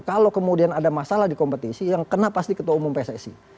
kalau kemudian ada masalah di kompetisi yang kena pasti ketua umum pssi